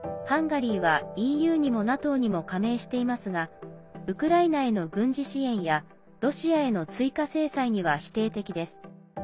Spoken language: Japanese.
ハンガリーはＥＵにもＮＡＴＯにも加盟していますがウクライナへの軍事支援やロシアへの追加制裁には否定的です。